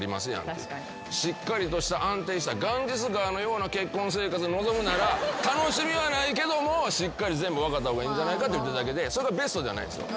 しっかりとした安定したガンジス川のような結婚生活望むなら楽しみはないけどもしっかり全部分かった方がいいんじゃないかって言ってるだけでそれがベストではないですよ。